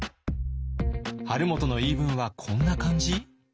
晴元の言い分はこんな感じ？